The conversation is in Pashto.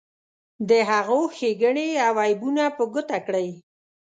د هغو ښیګڼې او عیبونه په ګوته کړئ.